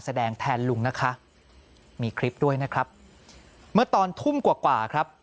แสดงแทนลุงนะคะมีคลิปด้วยนะครับเมื่อตอนทุ่มกว่ากว่าครับ